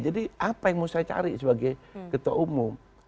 jadi apa yang mau saya cari sebagai ketua umum